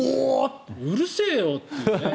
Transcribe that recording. うるせえよ！って。